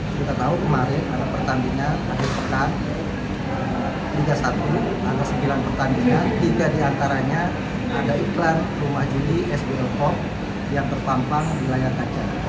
kita tahu kemarin ada pertandingan akhir pekan liga satu ada sembilan pertandingan tiga diantaranya ada iklan rumah juli sbl pop yang tertampang di layar kaca